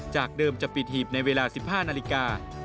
จากเดิมจะปิดหีบในเวลา๑๕นาฬิกา